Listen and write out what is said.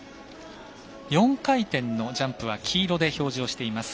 ４回転のジャンプは黄色で表示をしています。